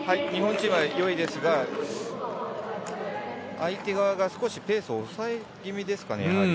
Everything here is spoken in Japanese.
日本チームは良いですが相手側が少しペースを抑え気味ですかね。